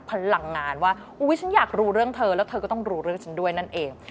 พลังงานว่าอุ๊ยฉันอยากรู้เรื่องเธอแล้วเธอก็ต้องรู้เรื่องฉันด้วยนั่นเอง